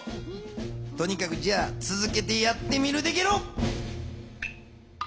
とにかくつづけてやってみるでゲロ。